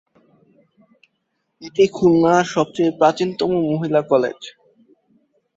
এটি খুলনার সবচেয়ে প্রাচীনতম মহিলা কলেজ।